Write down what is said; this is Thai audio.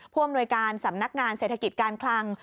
ผู้อำนวยการสำนักงานเศรษฐกิจการคลัง